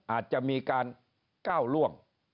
อาจจะมีการก้าวล่วง